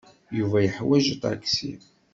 Yuba yeḥwaj aṭaksi.